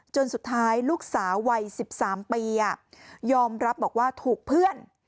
จนสุดท้ายลูกสาววัย๑๓ปียอมรับบอกว่าถูกเพื่อน